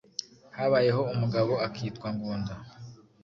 Habayeho umugabo akitwa Ngunda